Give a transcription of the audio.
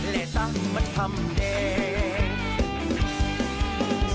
และตั้งมันทำเด็ก